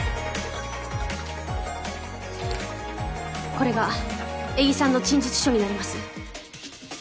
これが江木さんの陳述書になります。